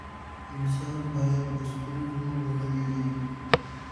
انسان باید له ستونزو ونه ویریږي.